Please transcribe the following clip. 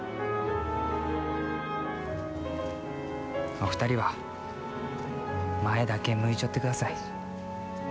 お二人は前だけ向いちょってください。